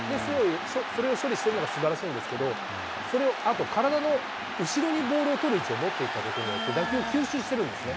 それを処理してるのがすばらしいんですけど、それをあと、体の後ろにボールを捕る位置に持っていって、打球、吸収してるんですね。